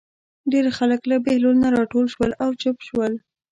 ډېر خلک له بهلول نه راټول شول او چوپ شول.